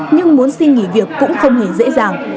nhưng muốn xin nghỉ việc cũng không hề dễ dàng